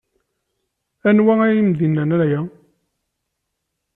Anwa i am-d-yennan aya?